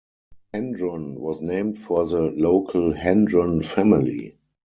Hendron was named for the local Hendron family.